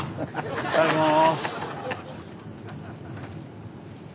いただきます。